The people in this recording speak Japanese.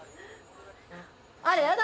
あらやだ